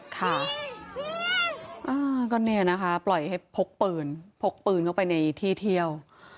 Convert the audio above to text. ค่ะก็เนี่ยนะคะปล่อยให้พกปืนพกปืนเข้าไปในที่เที่ยว